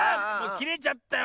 きれちゃったよ